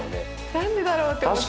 何でだろうって思っちゃう。